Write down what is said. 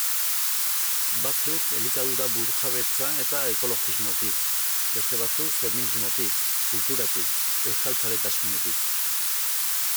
Batzuk elikadura burujabetza eta ekologismotik, beste batzuk feminismotik, kulturatik, euskaltzaletasunetik...